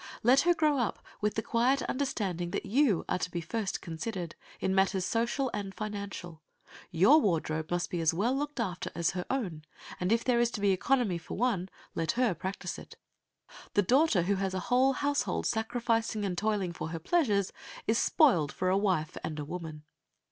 Let her grow up with the quiet understanding that you are to be first considered, in matters social and financial. Your wardrobe must be as well looked after as her own, and if there is to be economy for one, let her practise it. The daughter who has a whole household sacrificing and toiling for her pleasures is spoiled for a wife and woman.